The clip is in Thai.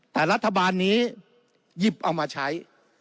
แต่รัฐบาลนี้หยิบเอามาใช้